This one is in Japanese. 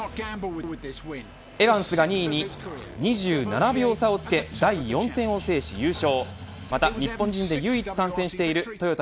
エバンスが２位に２７秒差をつけ第４戦を制し優勝。